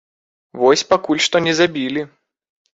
Вось пакуль што не забілі.